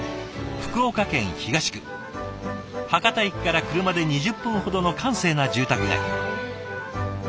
博多駅から車で２０分ほどの閑静な住宅街。